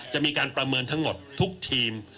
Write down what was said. จะมีการประเมินทั้งหมดทุกทีม